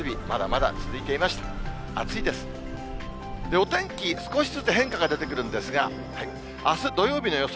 お天気、少しずつ変化が出てくるんですが、あす土曜日の予想